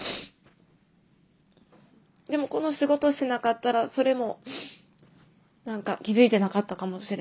でもこの仕事してなかったらそれも何か気付いてなかったかもしれないですね。